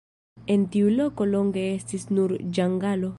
En tiu loko longe estis nur ĝangalo.